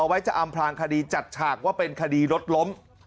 ไว้จะอำพลางคดีจัดฉากว่าเป็นคดีรถล้ม